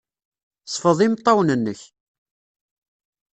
Sfeḍ imeṭṭawen-nnek.